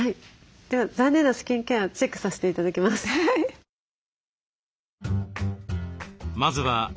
では残念なスキンケアチェックさせて頂きます。